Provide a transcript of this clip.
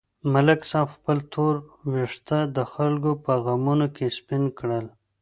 ملک صاحب خپل تور وېښته د خلکو په غمونو کې سپین کړل.